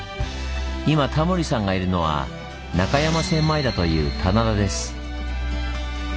今タモリさんがいるのは「中山千枚田」という棚田です。